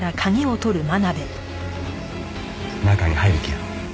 中に入る気や。